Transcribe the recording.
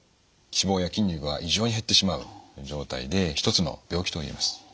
脂肪や筋肉が異常に減ってしまう状態でひとつの病気と言えます。